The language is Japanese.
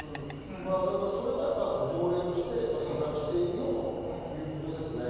それは条例として違反しているということですよね。